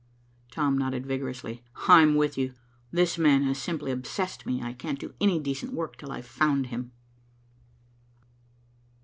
Tom nodded vigorously. "I'm with you. This man has simply obsessed me. I can't do any decent work till I've found him."